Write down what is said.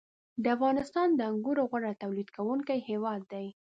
• افغانستان د انګورو غوره تولیدوونکی هېواد دی.